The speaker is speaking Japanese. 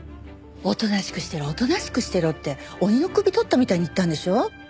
おとなしくしてろおとなしくしてろって鬼の首とったみたいに言ったんでしょ？